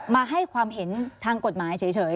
มาให้ความเห็นทางกฎหมายเฉย